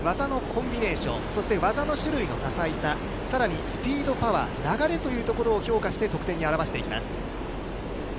そして技の種類の多彩さ、さらにスピード、パワー、流れというところも評価して、得点に表していきます。